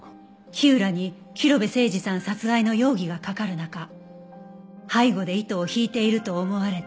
火浦に広辺誠児さん殺害の容疑がかかる中背後で糸を引いていると思われた